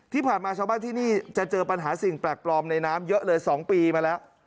ที่ผ่านมาชาวบ้านที่นี่จะเจอปัญหาสิ่งแปลกปลอมในน้ำเยอะเลย๒ปีมาแล้ว